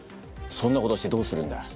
そんなことしてどうするんだ？